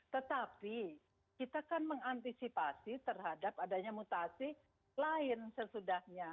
tetapi kita kan mengantisipasi terhadap adanya mutasi lain sesudahnya